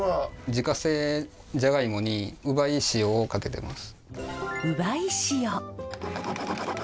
自家製ジャガイモに烏梅塩をかけてます。